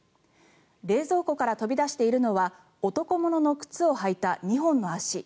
冷蔵庫から飛び出しているのは男物の靴を履いた２本の足。